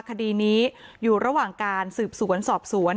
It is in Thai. คดีนี้อยู่ระหว่างการสืบสวนสอบสวน